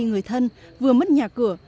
người thân vừa mất nhà cửa